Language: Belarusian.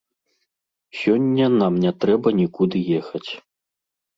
Сёння нам не трэба нікуды ехаць.